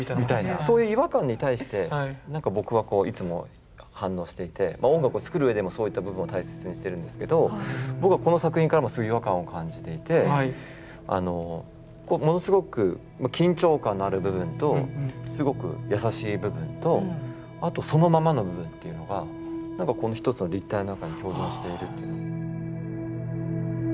そういう違和感に対して僕はいつも反応していて音楽を作るうえでもそういった部分を大切にしているんですけど僕はこの作品からもすごい違和感を感じていてものすごく緊張感のある部分とすごく優しい部分とあとそのままの部分っていうのが一つの立体の中に共存しているという。